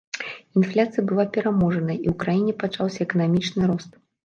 Інфляцыя была пераможаная, і ў краіне пачаўся эканамічны рост.